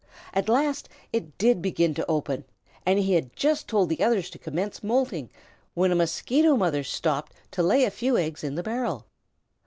At last it did begin to open, and he had just told the others to commence moulting, when a Mosquito Mother stopped to lay a few eggs in the barrel.